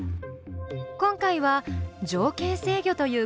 今回は「条件制御」という考え方。